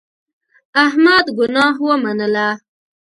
احمد ګناه ومنله.